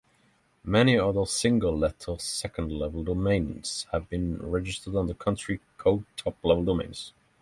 Many other single-letter second-level domains have been registered under country code top-level domains.